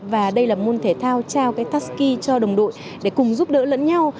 và đây là môn thể thao trao cái tasky cho đồng đội để cùng giúp đỡ lẫn nhau